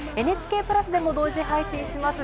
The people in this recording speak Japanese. ＮＨＫプラスでも同時配信します。